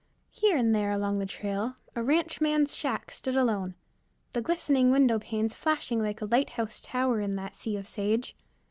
Here and there along the trail a ranchman's shack stood alone, the glistening window panes flashing like a lighthouse tower in that sea of sage.